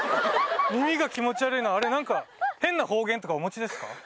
耳が気持ち悪いのはあれ何か変な方言とかお持ちですか？